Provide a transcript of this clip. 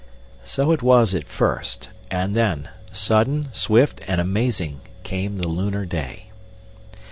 So it was at first; and then, sudden, swift, and amazing, came the lunar day.